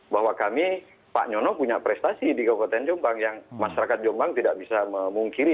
bahwa kami pak nyono punya prestasi di kabupaten jombang yang masyarakat jombang tidak bisa memungkiri